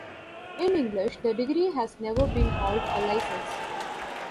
In English, the degree has never been called a license.